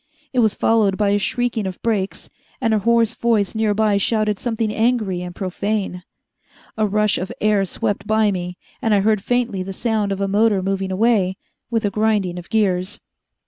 It was followed by a shrieking of brakes, and a hoarse voice near by shouted something angry and profane. A rush of air swept by me, and I heard faintly the sound of a motor moving away, with a grinding of gears.